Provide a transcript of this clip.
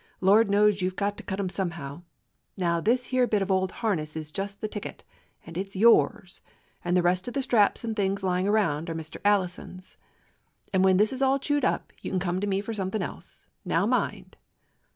Lord knows you 've got to cut 'em somehow. Now, this here bit of old harness is just the ticket, and it 's yours , and the rest of the straps and things lying around are Mr. Allison's. And when this is all chewed up, you can come to me for some thing else. Now mind!"